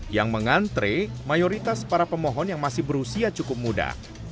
yang mengantre mayoritas para pemohon yang masih berusia cukup muda